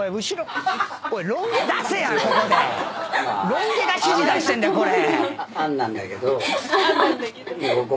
ロン毛が指示出してんだよこれ！